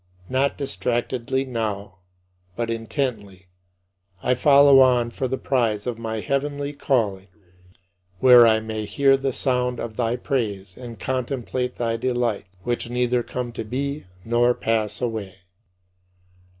Not distractedly now, but intently, I follow on for the prize of my heavenly calling, where I may hear the sound of thy praise and contemplate thy delights, which neither come to be nor pass away.